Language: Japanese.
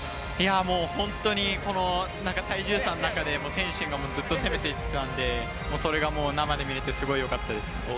本当に、この体重差の中で天心がずっと攻めてたのでそれが生で見れてすごい良かったです。